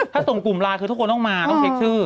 ถ้าส่งกลุ่มไลน์คือทุกคนต้องมาต้องเช็คชื่อ